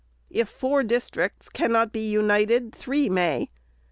If four districts cannot be united, three may.